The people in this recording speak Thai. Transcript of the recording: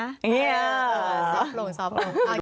แบบนี้สิบโปร่งสองโปร่ง